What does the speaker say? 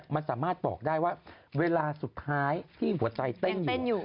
มันสามารถบอกได้ว่าเวลาสุดท้ายที่หัวใจเต้นอยู่